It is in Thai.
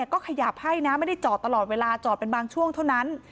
ก็ขยับให้นะไม่ได้จอดตลอดเวลาจอดเป็นบางช่วงเท่านั้น